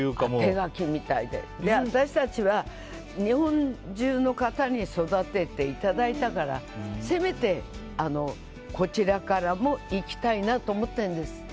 私たちは日本中の方に育てていただいたからせめて、こちらからも行きたいなと思っているんです。